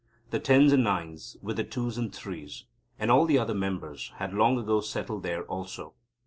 The Tens and Nines, with the Twos and Threes, and all the other members, had long ago settled there also.